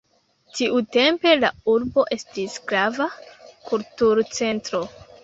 Tiutempe la urbo estis grava kulturcentro.